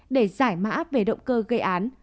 để giải mã về động cơ gây án